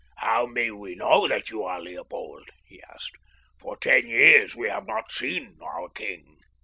"How may we know that you are Leopold?" he asked. "For ten years we have not seen our king."